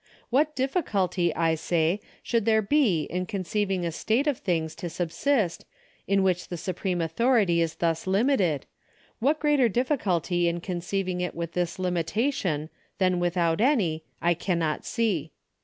What difficulty, I say, there should be in conceiving a state of things to subsist, in which the supreme authority is thus limited — what greater difficulty in conceiving it with this limitation, than without any, I cannot see.